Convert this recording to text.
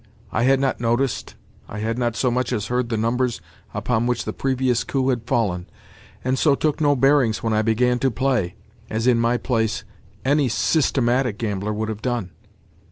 I had not noticed—I had not so much as heard the numbers upon which the previous coup had fallen, and so took no bearings when I began to play, as, in my place, any systematic gambler would have done.